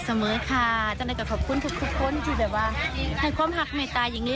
เสมอค่ะจำได้กับขอบคุณทุกทุกคนที่แบบว่าให้ความหักเมตตายิงนี้